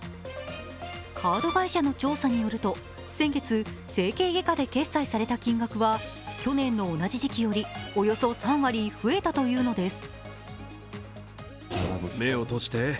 カード会社の調査によると、先月整形外科で決済された金額は去年の同じ時期より、およそ３割増えたというのです。